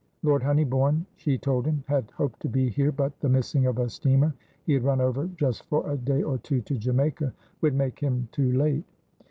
Lord Honeybourne, she told him, had hoped to be here, but the missing of a steamer (he had run over, just for a day or two, to Jamaica) would make him too late.